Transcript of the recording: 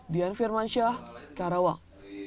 dian firmansyah karawang